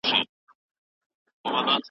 جينۍ ته هسې لېونيان خوند ورکوينه